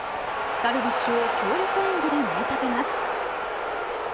ダルビッシュを強力援護で盛り立てます。